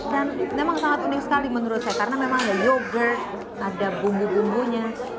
dan memang sangat unik sekali menurut saya karena memang ada yoghurt ada bumbu bumbunya